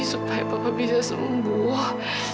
supaya papa bisa sembuh